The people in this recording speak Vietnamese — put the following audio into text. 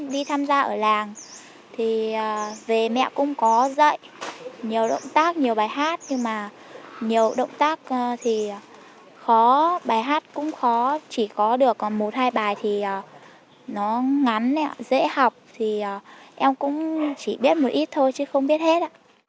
đi tham gia ở làng thì về mẹ cũng có dạy nhiều động tác nhiều bài hát nhưng mà nhiều động tác thì khó bài hát cũng khó chỉ có được một hai bài thì nó ngắn dễ học thì em cũng chỉ biết một ít thôi chứ không biết hết ạ